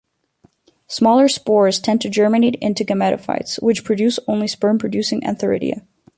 Smaller spores tend to germinate into gametophytes which produce only sperm-producing antheridia.